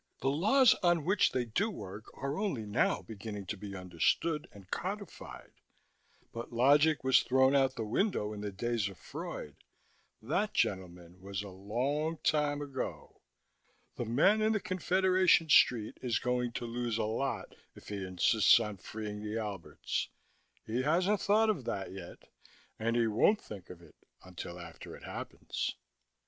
The laws on which they do work are only now beginning to be understood and codified: but logic was thrown out the window in the days of Freud. That, gentlemen, was a long time ago. The man in the Confederation street is going to lose a lot if he insists on freeing the Alberts. He hasn't thought of that yet, and he won't think of it until after it happens."